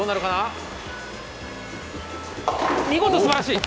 見事、すばらしい！